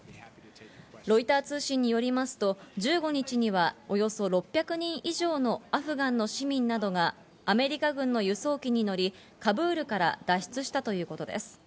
ロイター通信によりますと、１５日にはおよそ６００人以上のアフガンの市民などがアメリカ軍の輸送機に乗り、カブールから脱出したということです。